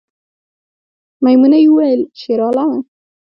میمونۍ وویل شیرعالمه